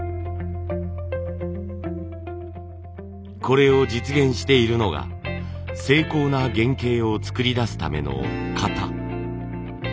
これを実現しているのが精巧な原型を作り出すための型。